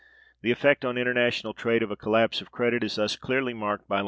The effect on international trade of a collapse of credit is thus clearly marked by the lines on the chart.